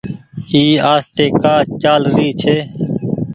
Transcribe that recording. اي آستي ڪآ چآل ري ڇي۔